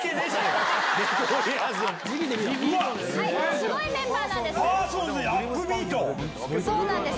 すごいメンバーなんです。